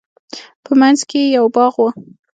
په منځ کښې يې يو باغ و.